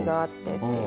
っていう。